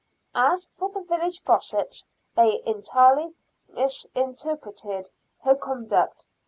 As for the village gossips, they entirely misinterpreted her conduct.